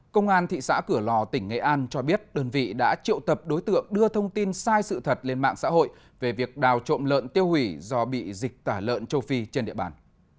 công an thị xã cửa lò tỉnh nghệ an cho biết đơn vị đã triệu tập đối tượng đưa thông tin sai sự thật lên mạng xã hội về việc đào trộm lợn tiêu hủy do bị dịch tả lợn châu phi trên địa bàn